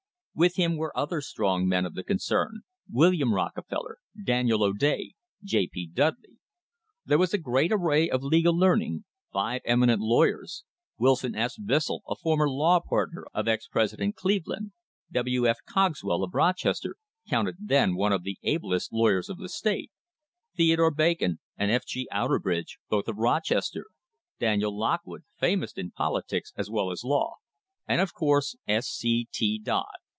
With him were other strong men of the concern, William Rockefeller, Daniel O'Day, J. P. Dudley. There was a great array of legal learning five emi nent lawyers Wilson S. Bissell, a former law partner of ex President Cleveland; W. F. Cogswell, of Rochester, counted then one of the ablest lawyers of the state; Theodore Bacon and F. G. Outerb ridge, both of Rochester; Daniel Lockwood, famous in politics as well as law; and, of course, S. C. T. Dodd.